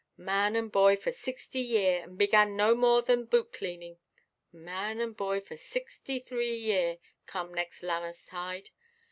Man and boy for sixty year, and began no more than boot–cleaning; man and boy for sixty–three year, come next Lammas–tide.